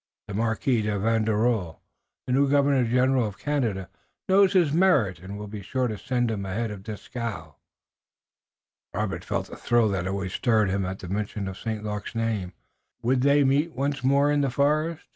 The Marquis de Vaudreuil, the new Governor General of Canada, knows his merit and will be sure to send him ahead of Dieskau." Robert felt the thrill that always stirred him at the mention of St. Luc's name. Would they meet once more in the forest?